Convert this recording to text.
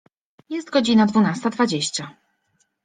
Jest godzina dwunasta dwadzieścia.